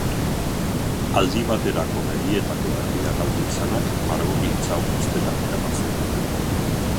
Aldi baterako begietako argia galdu izanak margogintza uztera eraman zuen.